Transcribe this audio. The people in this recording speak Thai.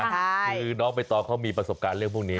คือน้องใบตองเขามีประสบการณ์เรื่องพวกนี้